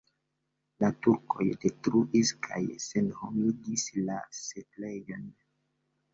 La turkoj detruis kaj senhomigis la setlejon.